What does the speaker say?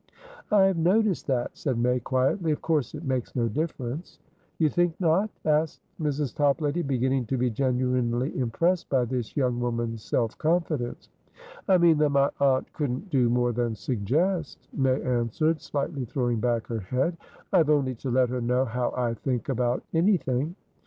"I have noticed that," said May, quietly. "Of course it makes no difference." "You think not?" asked Mrs. Toplady, beginning to be genuinely impressed by this young woman's self confidence. "I mean that my aunt couldn't do more than suggest," May answered, slightly throwing back her head. "I have only to let her know how I think about anything."